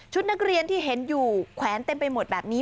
นักเรียนที่เห็นอยู่แขวนเต็มไปหมดแบบนี้